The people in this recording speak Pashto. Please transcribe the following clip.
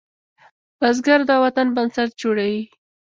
بزګر د وطن بنسټ جوړوي